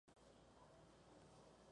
¡ Rápido! ¡ sujetad mi cola!